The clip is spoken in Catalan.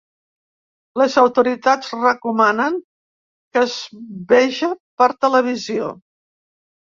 Les autoritats recomanen que es veja per televisió.